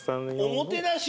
おもてなし？